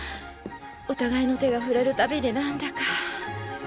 お互いの手が触れるたびになんだか。